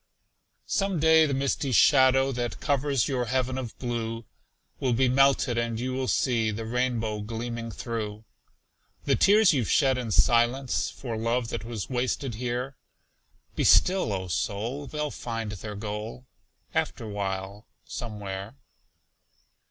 Some day the misty shadow That covers your heaven of blue, Will melted be, and you will see The rainbow gleaming through. The tears you've shed in silence For love that was wasted here Be still, O soul! They'll find their goal, Afterwhile, somewhere.